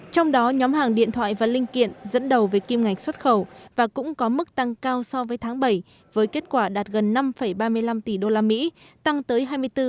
trong đó nhóm hàng điện thoại và linh kiện dẫn đầu về kim ngạch xuất khẩu và cũng có mức tăng cao so với tháng bảy với kết quả đạt gần năm ba mươi năm tỷ usd tăng tới hai mươi bốn bốn